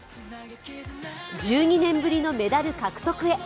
１２年ぶりのメダル獲得へ。